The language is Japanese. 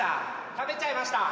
食べちゃいました